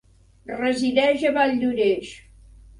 Resideix a Valldoreix.